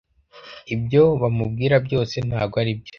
ibyo bamubwira byose ntago aribyo